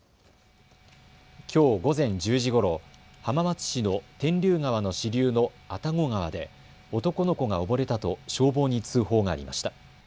きょう午前１０時ごろ浜松市の天竜川の支流の阿多古川で男の子が溺れたと消防に通報がありました。